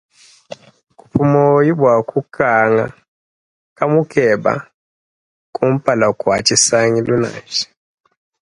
Kuhi moyo bua kukanga kaamu keba kumpala kua tshisangilu nansha.